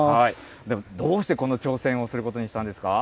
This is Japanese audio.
でもどうしてこの挑戦をすることにしたんですか。